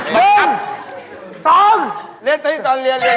เวลา